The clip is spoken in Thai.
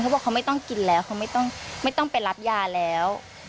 บอกเขาไม่ต้องกินแล้วเขาไม่ต้องไปรับยาแล้ว